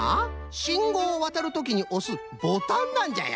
信号をわたるときにおすボタンなんじゃよ！